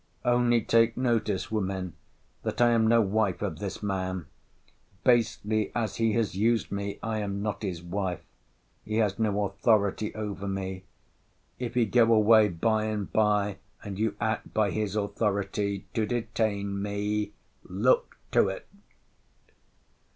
—Only take notice, women, that I am no wife of this man: basely as he has used me, I am not his wife. He has no authority over me. If he go away by and by, and you act by his authority to detain me, look to it.